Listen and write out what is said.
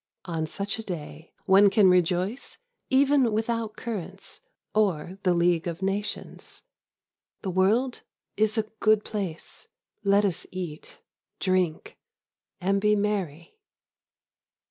On such a day one can rejoice even without currants or the League of Nations. The world is a good place. Let us eat, drink, and be merry.